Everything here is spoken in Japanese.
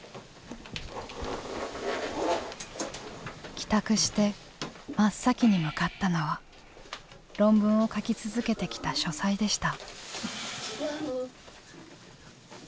帰宅して真っ先に向かったのは論文を書き続けてきた書斎でした。